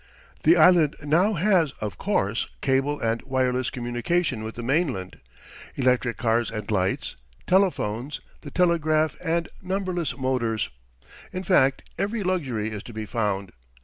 The island now has, of course, cable and wireless communication with the mainland, electric cars and lights, telephones, the telegraph and numberless motors in fact, every luxury is to be found.